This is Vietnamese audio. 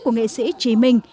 của nghệ sĩ trí minh